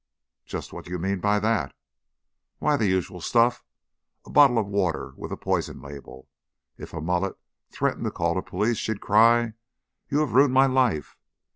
"Just what do you mean by that?" "Why, the usual stuff. A bottle of water with a poison label. If a mullet threatened to call the police, she'd cry, 'You have ruined my life!'